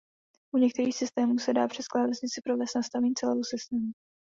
U některých systémů se dá přes klávesnici provést nastavení celého systému.